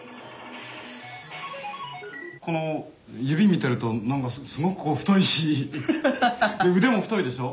この指見てると何かすごく太いし腕も太いでしょ？